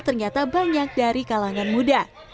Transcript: ternyata banyak dari kalangan muda